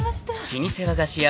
［老舗和菓子屋